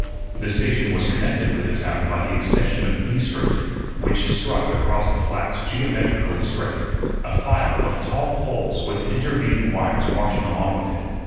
The station was connected with the town by the extension of B Street, which struck across the flats geometrically straight, a file of tall poles with intervening wires marching along with it.